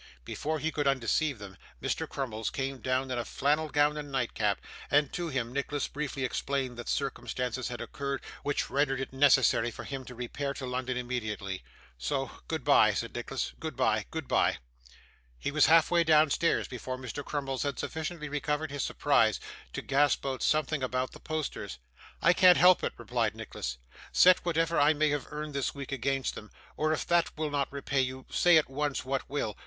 Before he could undeceive them, Mr. Crummles came down in a flannel gown and nightcap; and to him Nicholas briefly explained that circumstances had occurred which rendered it necessary for him to repair to London immediately. 'So goodbye,' said Nicholas; 'goodbye, goodbye.' He was half way downstairs before Mr. Crummles had sufficiently recovered his surprise to gasp out something about the posters. 'I can't help it,' replied Nicholas. 'Set whatever I may have earned this week against them, or if that will not repay you, say at once what will.